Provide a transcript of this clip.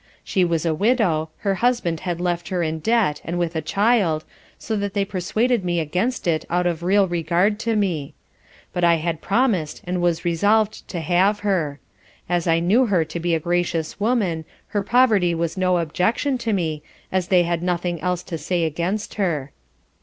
She was a widow, her husband had left her in debt, and with a child, so that they persuaded me against it out of real regard to me. But I had promised and was resolved to have her; as I knew her to be a gracious woman, her poverty was no objection to me, as they had nothing else to say against her.